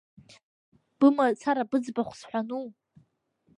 Бымацара быӡбахә сҳәану?